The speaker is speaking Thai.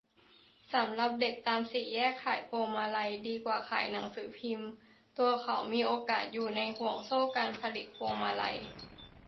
สำหรับเด็กตามสี่แยก ขายพวงมาลัยดีกว่าขายหนังสือพิมพ์ ตัวเขามีโอกาสอยู่ในห่วงโซ่การผลิตพวงมาลัย